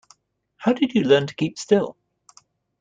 How did you learn to keep still?